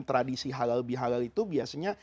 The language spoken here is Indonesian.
tradisi halal bihalal itu biasanya